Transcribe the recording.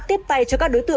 nhất đây có chùm ở đó